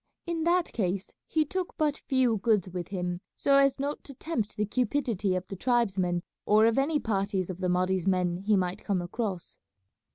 In that case he took but few goods with him, so as not to tempt the cupidity of the tribesmen or of any parties of the Mahdi's men he might come across.